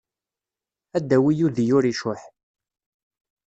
Ad d-tawi udi ur icuḥ.